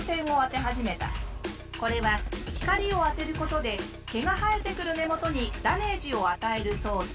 これは光を当てることで毛が生えてくる根元にダメージを与える装置。